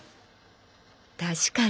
確かに。